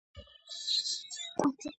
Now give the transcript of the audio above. პეკინის გამზირიდან პეტრე ქავთარაძის ქუჩამდე.